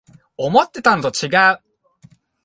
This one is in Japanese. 思ってたのとちがう